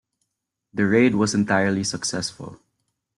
The raid was entirely successful.